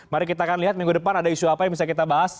mari kita akan lihat minggu depan ada isu apa yang bisa kita bahas